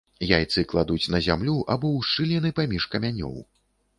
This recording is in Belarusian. Яйцы кладуць на зямлю або ў шчыліны паміж камянёў.